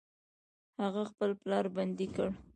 هغه خپل پلار بندي کړ.